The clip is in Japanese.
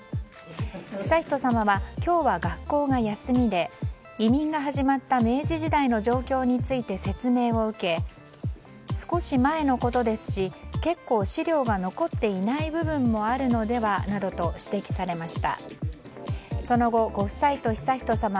悠仁さまは今日は学校が休みで移民が始まった明治時代の状況について説明を受け、少し前のことですし結構資料が残っていない部分もあるのではなどと指摘されました。